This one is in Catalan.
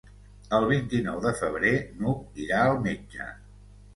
El vint-i-nou de febrer n'Hug irà al metge.